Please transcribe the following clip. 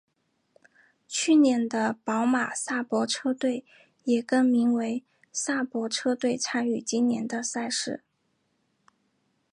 去年的宝马萨伯车队也更名为萨伯车队参与今年的赛事。